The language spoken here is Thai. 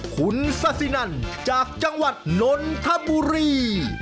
คุณซาซินันจากจังหวัดนนทบุรี